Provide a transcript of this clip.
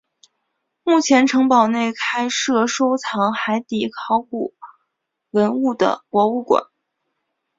目前城堡内开设收藏海底考古文物的博物馆。